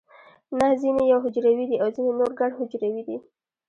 نه ځینې یو حجروي دي او ځینې نور ګڼ حجروي دي